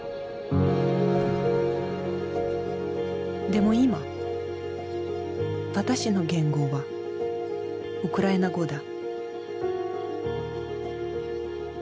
でも今私の言語はウクライナ語だ。